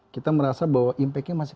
kita merasa bahwa impactnya masih